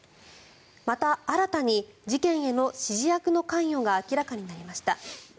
また、新たに事件への指示役の関与が明らかになりました。